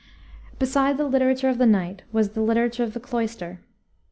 Beside the literature of the knight was the literature of the cloister.